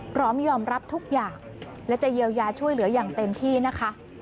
พร้อมยอมรับทุกอย่างและจะเยียวยาช่วยเหลืออย่างเต็มที่นะคะ